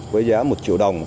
với giá một triệu đồng